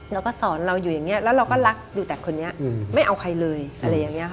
เราก็สอนเราอยู่อย่างนี้แล้วเราก็รักอยู่แต่คนนี้ไม่เอาใครเลยอะไรอย่างนี้ค่ะ